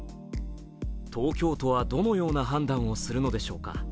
東京都はどのような判断をするのでしょうか。